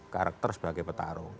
karakter sebagai petarung